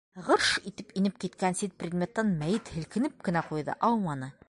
«Ғырш» итеп инеп киткән сит предметтан мәйет һелкенеп кенә ҡуйҙы, ауманы.